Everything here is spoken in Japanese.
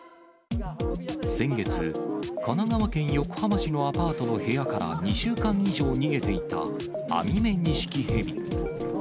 先月、神奈川県横浜市のアパートの部屋から２週間以上逃げていたアミメニシキヘビ。